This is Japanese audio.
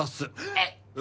えっ！